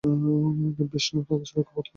বিষ্ণু তাদের সবাইকে বধ করেন।